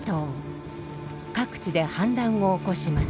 各地で反乱を起こします。